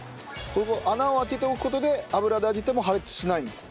穴を開けておく事で油で揚げても破裂しないんだそうです。